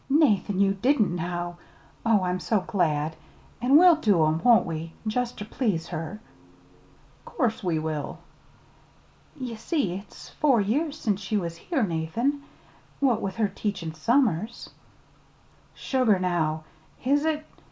"Nathan, you didn't, now! Oh, I'm so glad! An' we'll do 'em, won't we? jest ter please her?" "'Course we will!" "Ye see it's four years since she was here, Nathan, what with her teachin' summers." "Sugar, now! Is it?